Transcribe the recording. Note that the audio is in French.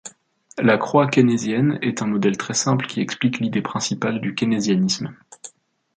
La croix keynésienne est un modèle très simple qui explique l'idée principale du keynésianisme.